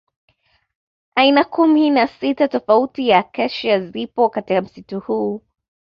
Aina kumi na sita tofauti ya Acacia zipo katika msitu huu